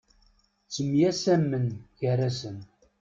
Ttemyasamen gar-asen.